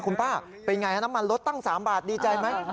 คุณป้าเป็นไงน้ำมันลดตั้ง๓บาทดีใจไหม